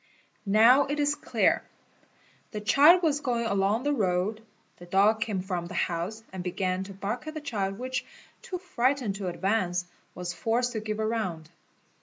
Now, it is clear. The child was going along the road. 'The dog | came from the house and began to bark at the child which, too frightened to advance, was forced to give ground.